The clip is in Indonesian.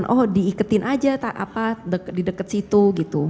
oh diiketin aja didekat situ gitu